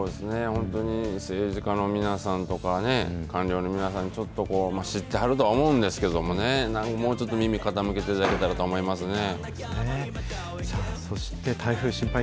本当に政治家の皆さんとかね、官僚の皆さんにちょっとこう、知ってはるとは思うんですけどね、もうちょっと耳傾けていただけたらと思いますね。